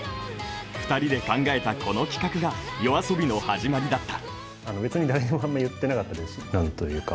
２人で考えたこの企画がＹＯＡＳＯＢＩの始まりだった。